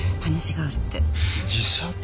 自殺？